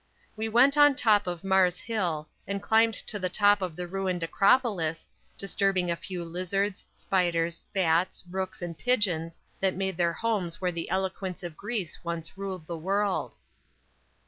We went on top of Mars Hill, and climbed to the top of the ruined Acropolis, disturbing a few lizards, spiders, bats, rooks and pigeons that made their homes where the eloquence of Greece once ruled the world.